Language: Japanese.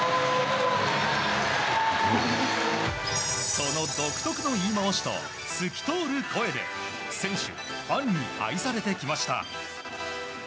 その独特の言い回しと透き通る声で選手、ファンに愛されてきました。